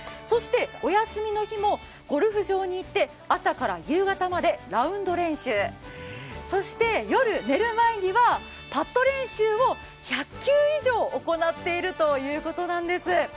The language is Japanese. お休みの日もゴルフ場に行って朝から夕方までラウンド練習、そして、夜寝る前にはパット練習を１００球以上行っているということなんです。